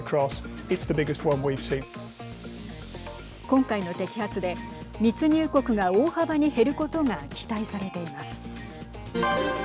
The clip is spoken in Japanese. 今回の摘発で密入国が大幅に減ることが期待されています。